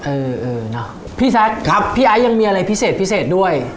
เออนะพี่ซัชครับพี่ไอ้ยังมีอะไรพิเศษด้วย